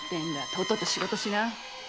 とっとと仕事しな！